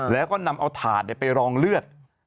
แล้วก็นำเอาถาดไปรองเลือด